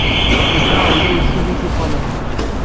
Yuba yella yessinif i Ṣaliḥa.